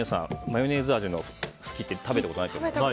マヨネーズ味のフキって食べたことないと思います。